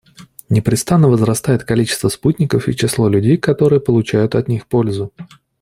Непрестанно возрастает количество спутников и число людей, которые получают от них пользу.